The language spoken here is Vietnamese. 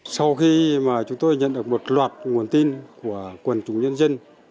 sau khi mà chúng tôi nhận được một loạt nguồn tin của quần chủ nhân dân